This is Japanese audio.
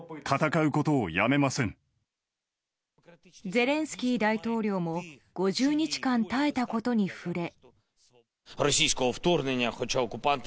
ゼレンスキー大統領も５０日間耐えたことに触れ。